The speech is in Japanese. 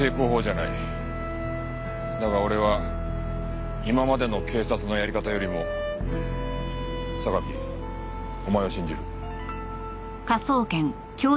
だが俺は今までの警察のやり方よりも榊お前を信じる。